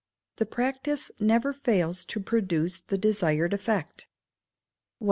The practice never fails to produce the desired effect. 1687.